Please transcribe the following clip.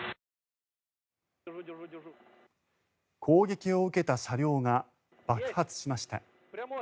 攻撃を受けた車両が爆発しました。